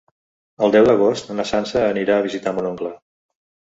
El deu d'agost na Sança anirà a visitar mon oncle.